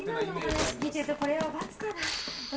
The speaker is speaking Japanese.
今のお話を聞いてるとこれは×かな。